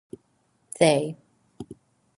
They.